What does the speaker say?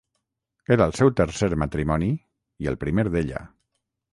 Era el seu tercer matrimoni, i el primer d'ella.